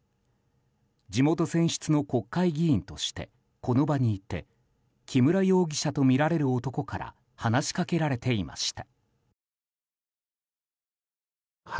地元選出の国会議員としてこの場にいて木村容疑者とみられる男から話しかけられていました。